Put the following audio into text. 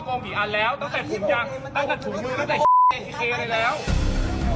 โปรดติดตามต่อไป